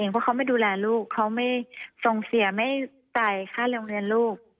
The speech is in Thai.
เพราะเขาไม่ดูแลลูกเขาไม่ส่งเสียไม่จ่ายค่าโรงเรียนลูก